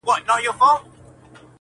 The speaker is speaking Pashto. ځوانِ مرګ دي سم چي نه به در جارېږم,